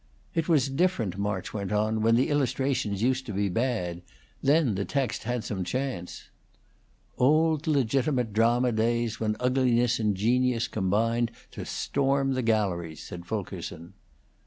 "It was different," March went on, "when the illustrations used to be bad. Then the text had some chance." "Old legitimate drama days, when ugliness and genius combined to storm the galleries," said Fulkerson.